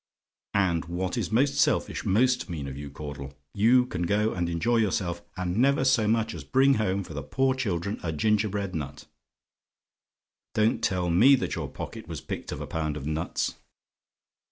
"And what is most selfish most mean of you, Caudle you can go and enjoy yourself, and never so much as bring home for the poor children a gingerbread nut. Don't tell me that your pocket was picked of a pound of nuts!